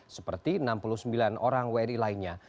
seperti enam puluh sembilan orang wni lainnya